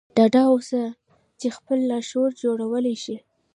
ډاډه اوسئ چې خپل لاشعور جوړولای شئ